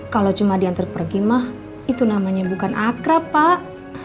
kalau cuma diantar pergi mah itu namanya bukan akrab pak